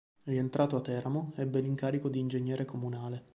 Rientrato a Teramo, ebbe l'incarico di ingegnere comunale.